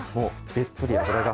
べっとり脂が。